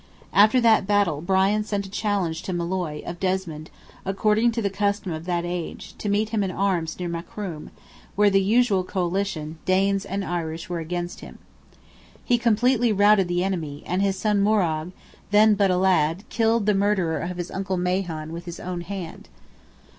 After that battle, Brian sent a challenge to Molloy, of Desmond, according to the custom of that age, to meet him in arms near Macroom, where the usual coalition, Danes and Irish, were against him. He completely routed the enemy, and his son Morrogh, then but a lad, "killed the murderer of his uncle Mahon with his own hand."